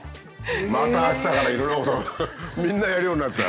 また明日からいろいろみんなやるようになっちゃう。